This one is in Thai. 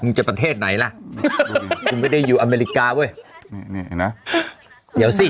จะประเทศไหนล่ะกูไม่ได้อยู่อเมริกาเว้ยนี่นี่เห็นไหมเดี๋ยวสิ